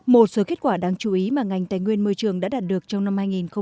một số kết quả đáng chú ý mà ngành tài nguyên môi trường đã đạt được trong năm hai nghìn một mươi chín